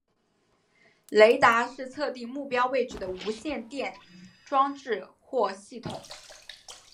雷达是测定目标位置的无线电装置或系统。